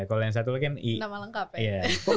kalau yang satu lagi kan i